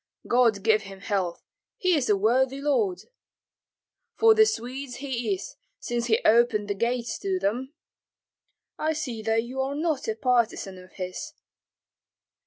"God give him health, he is a worthy lord!" "For the Swedes he is, since he opened the gates to them." "I see that you are not a partisan of his."